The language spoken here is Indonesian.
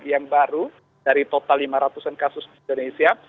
yang baru dari total lima ratus an kasus di indonesia